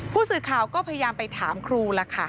ผู้สื่อข่าวก็พยายามไปถามครูล่ะค่ะ